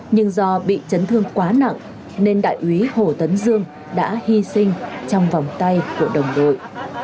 nhưng do bị chấn thương quá nặng nên đại úy hồ tấn dương đã hy sinh trong vòng tay của đồng đội